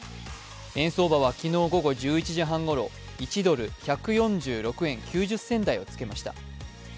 円相場は昨日午後１１時半ごろ、１ドル＝１４６円９０銭台をつけました。